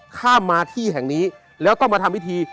ข้ามมาที่แห่งนี้แล้วก็มาทำพิธี